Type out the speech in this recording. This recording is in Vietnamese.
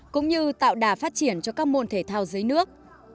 cũng như tạo đà phát triển cho các môn thể thao dưới nước